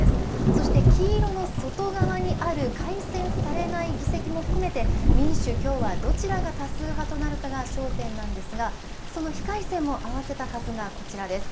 そして黄色の外側にある改選されない議席も含めて民主、共和どちらが多数派となるかが焦点なんですが、その非改選も合わせた数がこちらです。